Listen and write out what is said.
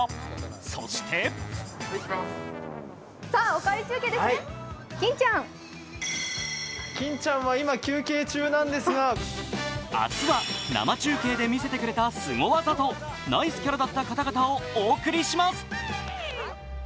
そして明日は生中継で見せてくれたすご技とナイスキャラだった方々をお送りします。